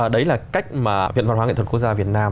đấy là cách mà viện văn hóa nghệ thuật quốc gia việt nam